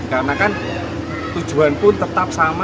karena kan tujuan pun tetap selamat